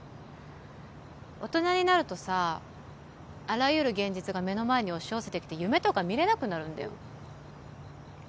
大人になるとさあらゆる現実が目の前に押し寄せてきて夢とか見れなくなるんだよ